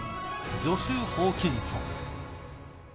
ジョシュ・ホーキンソン。